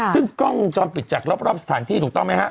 ซึ่งกล้องวงจรปิดจากรอบสถานที่ถูกต้องไหมฮะ